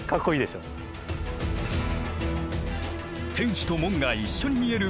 天守と門が一緒に見える